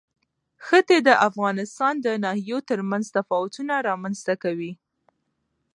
ښتې د افغانستان د ناحیو ترمنځ تفاوتونه رامنځ ته کوي.